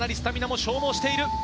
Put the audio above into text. かなりスタミナも消耗している。